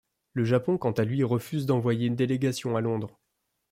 Le Japon quant à lui refuse d'envoyer une délégation à Londres.